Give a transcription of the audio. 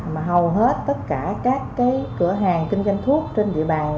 mà hầu hết tất cả các cửa hàng kinh doanh thuốc trên địa bàn